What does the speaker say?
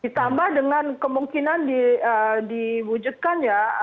ditambah dengan kemungkinan diwujudkan ya